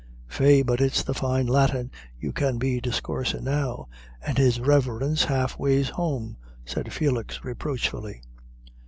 "Faix, but it's the fine Latin you can be discoorsin' now, and his Riverence half ways home," said Felix reproachfully.